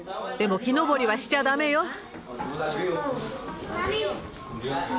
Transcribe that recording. でも木登りはしちゃダメよ。